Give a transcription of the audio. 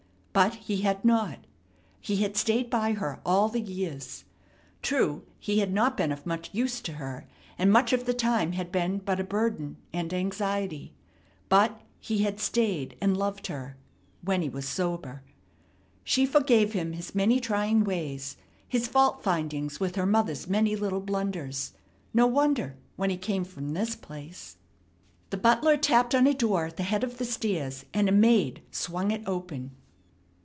But he had not. He had stayed by her all the years. True, he had not been of much use to her, and much of the time had been but a burden and anxiety; but he had stayed and loved her when he was sober. She forgave him his many trying ways, his faultfindings with her mother's many little blunders no wonder, when he came from this place. The butler tapped on a door at the head of the stairs, and a maid swung it open.